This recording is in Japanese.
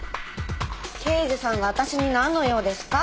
刑事さんが私になんの用ですか？